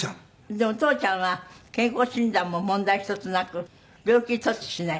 でも父ちゃんは健康診断も問題一つなく病気一つしない。